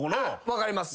分かります。